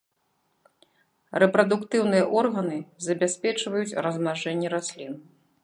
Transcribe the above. Рэпрадуктыўныя органы забяспечваюць размнажэнне раслін.